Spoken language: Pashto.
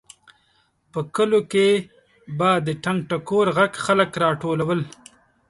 په کلیو کې به د ټنګ ټکور غږ خلک راټولول.